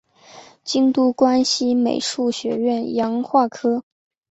京都关西美术学院洋画科